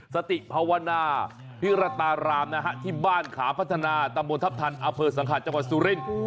สติภาวนาพิรตารามนะฮะที่บ้านขาพัฒนาตำบลทัพทันอเภอสังหาจังหวัดสุรินทร์